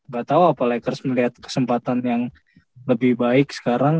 gak tau apa lakers melihat kesempatan yang lebih baik sekarang